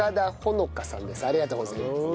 ありがとうございます。